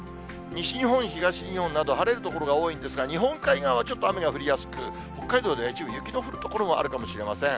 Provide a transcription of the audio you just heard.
西日本、東日本など、晴れる所が多いんですが、日本海側はちょっと雨が降りやすく、北海道では一部、雪の降る所もあるかもしれません。